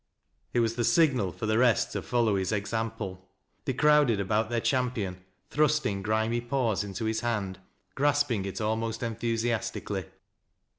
It was the signal for the rest to follow his example They crowded about their champion, thrusting griir.j [laws into his hand, grasping it almost enthusiastically.